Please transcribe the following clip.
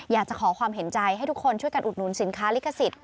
อยากจะขอความเห็นใจให้ทุกคนช่วยกันอุดหนุนสินค้าลิขสิทธิ